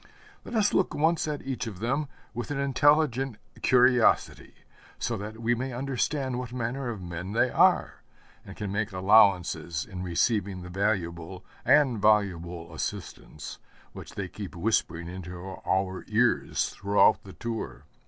Let us look once at each of them with an intelligent curiosity, so that we may understand what manner of men they are, and can make allowances in receiving the valuable and voluble assistance which they keep whispering into our ears throughout the tour.